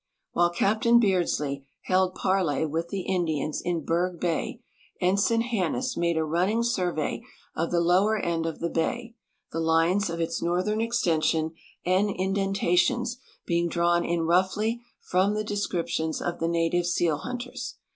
While Captain Beardslee held parle}^ with the Indians in Berg bay. Ensign Hanus made a ruijning surve}'' of the lower end of the ba}'', the lines of its north ern extension and indentations being drawn in roughly from the descriptions of the native seal hunters.